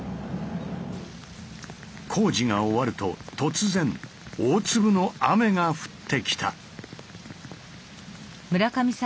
工事が終わると突然大粒の雨が降ってきた。